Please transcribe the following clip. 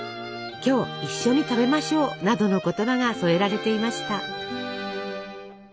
「今日一緒に食べましょう」などの言葉が添えられていました。